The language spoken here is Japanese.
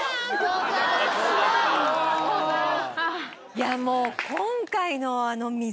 いやもう。